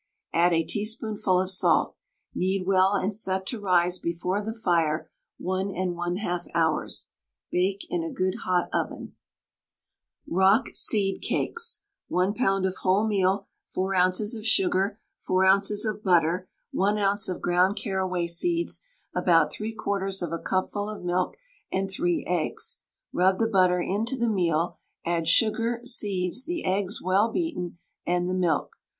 Add a teaspoonful of salt. Knead well and set to rise before the fire 1 1/2 hours. Bake in a good hot oven. ROCK SEED CAKES. 1 lb. of wholemeal, 4 oz. of sugar, 4 oz. of butter, 1 oz. of ground carraway seeds, about 3/4 of a cupful of milk, and 3 eggs. Rub the butter into the meal, add sugar, seeds, the eggs well beaten, and the milk.